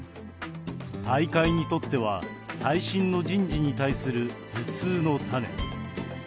大会にとっては最新の人事に対する頭痛の種。